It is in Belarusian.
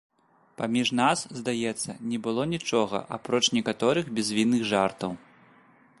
Паміж нас, здаецца, не было нічога, апроч некаторых бязвінных жартаў.